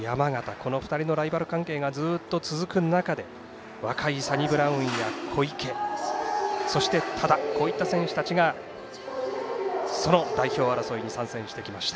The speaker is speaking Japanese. この２人のライバル関係がずっと続く中で若いサニブラウンや小池そして、多田といった選手たちが代表争いに参戦してきました。